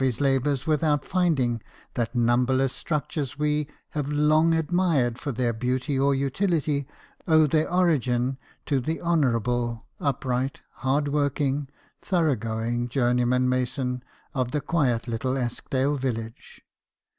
29 his labours without finding that numberless structures we have long admired for their beauty or utility, owe their origin to the honourable, upright, hardworking, thorough going, journeyman mason of the quiet little Eskdale village.